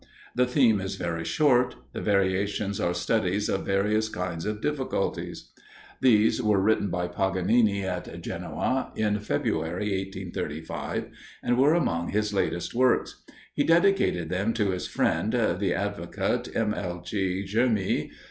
The theme is very short; the variations are studies of various kind of difficulties. These were written by Paganini, at Genoa, in February, 1835, and were among his latest works; he dedicated them to his friend the advocate, M. L. G. Germi.